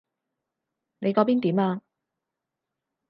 你嗰邊點啊？